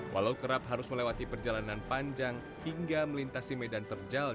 walau kerap harus melewati perjalanan panjang hingga melintasi medan terjal